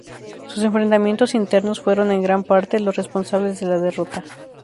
Sus enfrentamientos internos fueron en gran parte los responsables de la derrota.